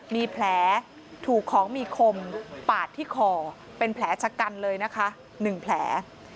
มีแผลถูกของมีคมปาดที่คอเป็นแผลชะกันเลยนะคะ๑แผล